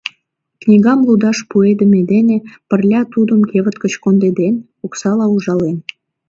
Книгам лудаш пуэдыме дене пырля тудым кевыт гыч кондеден, оксала ужален.